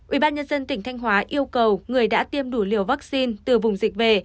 ubnd tỉnh thanh hóa yêu cầu người đã tiêm đủ liều vaccine từ vùng dịch về